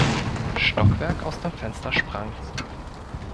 Stockwerk aus dem Fenster sprang".